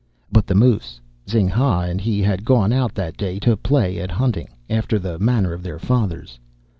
But the moose. Zing ha and he had gone out that day to play at hunting after the manner of their fathers.